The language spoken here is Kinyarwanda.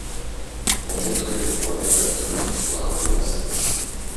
umutwe wa gatatu twawubuze